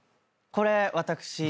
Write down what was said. これ私。